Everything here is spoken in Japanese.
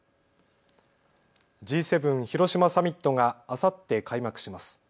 Ｇ７広島サミットがあさって開幕します。